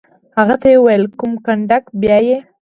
هغه ته یې وویل: کوم کنډک؟ بیا یې.